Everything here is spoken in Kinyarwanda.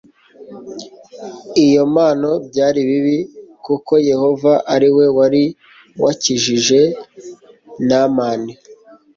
iyo mpano byari bibi kuko yehova ari we wari wakijije naamani